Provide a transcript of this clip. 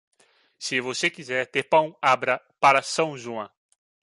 Se você quiser ter pão, abra para San Juan.